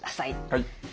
はい。